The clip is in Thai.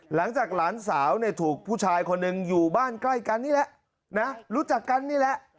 หลานสาวเนี่ยถูกผู้ชายคนหนึ่งอยู่บ้านใกล้กันนี่แหละนะรู้จักกันนี่แหละ